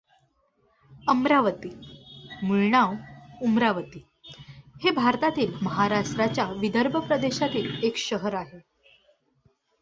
अमरावती मूळ नाव उमरावती हे भारतातील महाराष्ट्राच्या विदर्भ प्रदेशातील एक शहर आहे.